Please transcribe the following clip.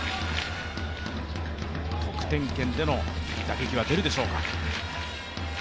得点圏での打撃は出るでしょうか。